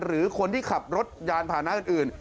หรือคนที่ขับรถยานผ่านหน้าอื่น